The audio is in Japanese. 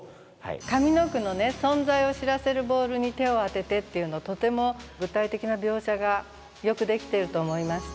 上の句の「存在を知らせる球に手をあてて」っていうのとても具体的な描写がよくできていると思いました。